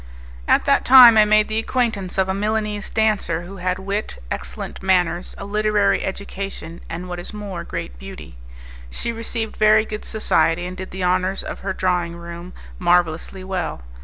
At that time I made the acquaintance of a Milanese dancer, who had wit, excellent manners, a literary education, and what is more great beauty. She received very good society, and did the honours of her drawing room marvellously well.